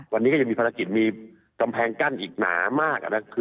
วันนี้ก็ยังมีภารกิจมีกำแพงกั้นอีกหนามาก